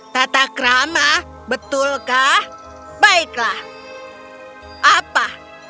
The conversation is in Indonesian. tata krama betulkah baiklah apa